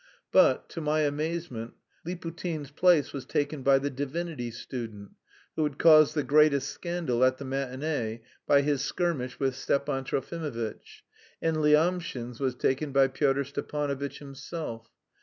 But, to my amazement, Liputin's place was taken by the divinity student, who had caused the greatest scandal at the matinée by his skirmish with Stepan Trofimovitch; and Lyamshin's was taken by Pyotr Stepanovitch himself.